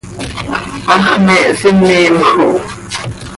¡Hax me hsinim xo!